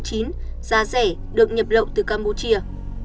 giá rẻ được nhập lậu từ campuchia